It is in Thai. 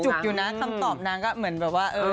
อยู่นะคำตอบนางก็เหมือนแบบว่า